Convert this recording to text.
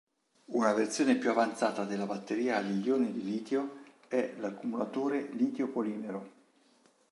Una versione più avanzata della batteria agli ioni di litio è l'accumulatore litio-polimero.